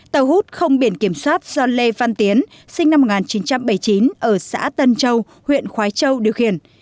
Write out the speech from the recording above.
tàu hút không biển kiểm soát do lê văn tiến sinh năm một nghìn chín trăm bảy mươi chín ở xã tân châu huyện khói châu điều khiển